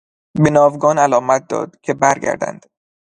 به ناوگان علامت داد که برگردند.